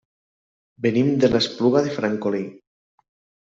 Venim de l'Espluga de Francolí.